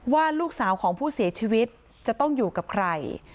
ว่าลูกสาวของผู้เสียชีวิตจะต้องอยู่กับใคร